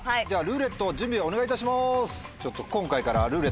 じゃ「ルーレット」準備お願いいたします。